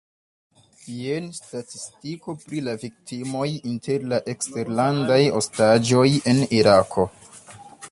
Jen statistiko pri la viktimoj inter la eksterlandaj ostaĝoj en Irako.